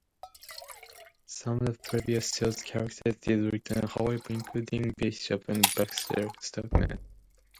Some of the previous shows characters did return, however, including Bishop and Baxter Stockman.